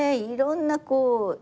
いろんなこう。